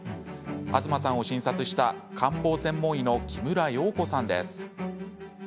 東さんを診察した漢方専門医の木村容子さんです。